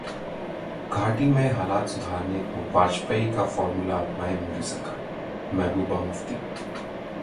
घाटी में हालात सुधारने को वाजपेयी का फॉर्मूला अपनाए मोदी सरकारः महबूबा मुफ्ती